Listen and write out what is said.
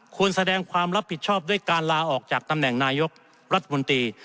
แสดงความรับผิดชอบด้วยการลาออกจากตำแหน่งนายกรัฐมนตรี